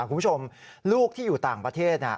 คุณผู้ชมลูกที่อยู่ต่างประเทศ